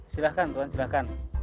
silahkan tuan silahkan